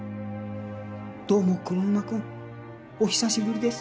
どうも黒沼くんお久しぶりです